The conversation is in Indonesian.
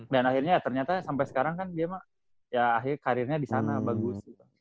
dan akhirnya ya ternyata sampai sekarang kan dia mah ya akhirnya karirnya di sana bagus gitu